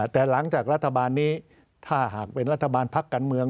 แต่หลังจากรัฐบาลนี้ถ้าหากเป็นรัฐบาลพักการเมือง